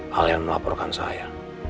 kalian melaporkan saya